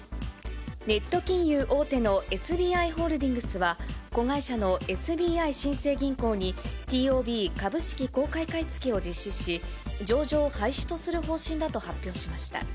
ネット金融大手のＳＢＩホールディングスは、子会社のＳＢＩ新生銀行に、ＴＯＢ・株式公開買い付けを実施し、上場廃止とする方針だと発表しました。